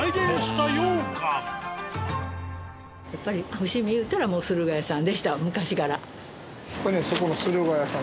伏見いうたらもう駿河屋さんでしたわ昔から。